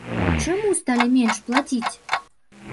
Чаму сталі менш плаціць?